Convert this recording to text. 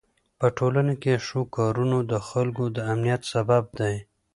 په ټولنه کې ښو کارونه د خلکو د امنيت سبب دي.